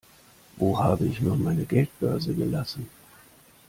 Wo habe ich nur meine Geldbörse gelassen?